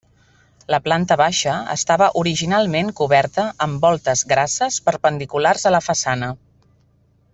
La planta baixa estava originalment coberta amb voltes grasses perpendiculars a la façana.